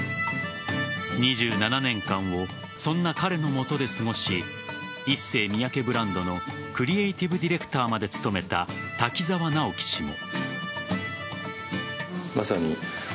２７年間をそんな彼の下で過ごしＩＳＳＥＹＭＩＹＡＫＥブランドのクリエイティブディレクターまで務めた滝沢直己氏も。